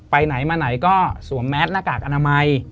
ไปไหนมาไหนก็สวมแมสหน้ากากอนามัย